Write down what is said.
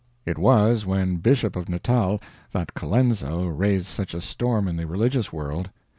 It was when Bishop of Natal that Colenso raised such a storm in the religious world.